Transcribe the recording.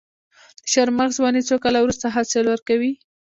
د چهارمغز ونې څو کاله وروسته حاصل ورکوي؟